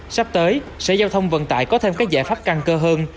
sắp tới sở giao thông vận tải có thêm các giải pháp căn cơ hơn